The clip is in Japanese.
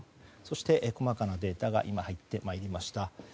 そして、細かなデータが今入ってまいりました。